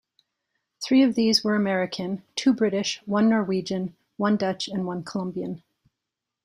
Three of these were American, two British, one Norwegian, one Dutch, and one Colombian.